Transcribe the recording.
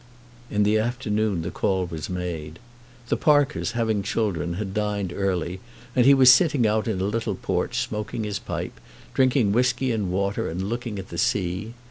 In the afternoon the call was made. The Parkers, having children, had dined early, and he was sitting out in a little porch smoking his pipe, drinking whisky and water, and looking at the sea.